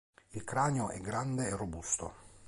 Il cranio è grande e robusto.